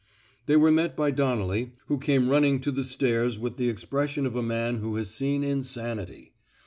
They were met by Donnelly, who came running to the stairs with the expression of a man who has seen insanity.